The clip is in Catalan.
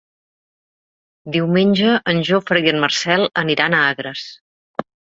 Diumenge en Jofre i en Marcel aniran a Agres.